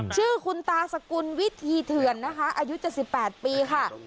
ชื่อคุณตาสกุลวิธีเถื่อนนะคะอายุ๗๘ปีค่ะ